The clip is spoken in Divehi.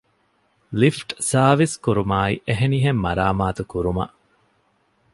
ލިފްޓް ސާރވިސް ކުރުމާއި އެހެނިހެން މަރާމާތު ކުރުމަށް